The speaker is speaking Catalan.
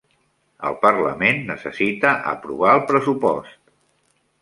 El parlament necessita aprovar el pressupost